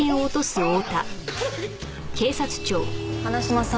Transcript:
花島さん。